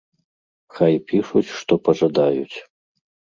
Хай пішуць, што пажадаюць.